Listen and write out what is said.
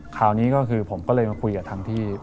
คราวนี้ก็คือผมก็เลยมาคุยกับทางพี่